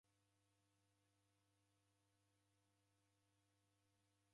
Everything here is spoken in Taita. Iduka ja vindo jeko sokonyi.